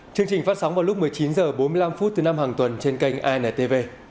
chương trình phát sóng vào lúc một mươi chín h bốn mươi năm thứ năm hàng tuần trên kênh intv